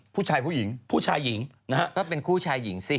ผู้ชายผู้หญิงผู้ชายหญิงถ้าเป็นคู่ชายหญิงสิ